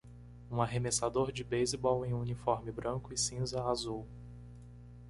Um arremessador de beisebol em um uniforme branco e cinza azul.